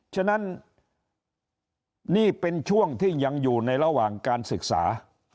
ฉะนั้นนี่เป็นช่วงที่ยังอยู่ในระหว่างการศึกษา